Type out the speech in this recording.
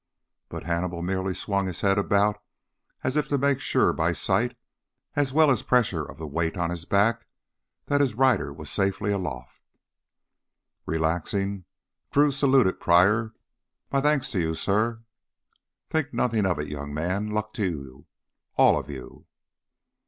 But Hannibal merely swung his head about as if to make sure by sight, as well as pressure of weight on his back, that his rider was safely aloft. Relaxing, Drew saluted Pryor. "My thanks to you, suh." "Think nothing of it, young man. Luck to you all of you."